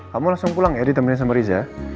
kamu langsung pulang ya ditemen sama riza